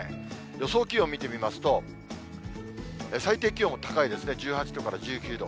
予想気温見てみますと、最低気温も高いですね、１８度から１９度。